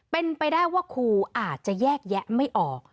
เป็นไปได้ว่าครูอาจจะแยกแยะไม่ออก